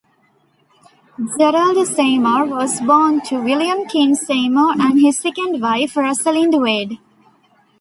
Gerald Seymour was born to William Kean Seymour and his second wife, Rosalind Wade.